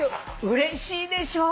うれしいでしょ？